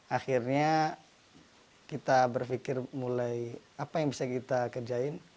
akhirnya kita berpikir mulai apa yang bisa kita kerjain